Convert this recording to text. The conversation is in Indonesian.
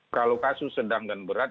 kalau kasus sedang dan berat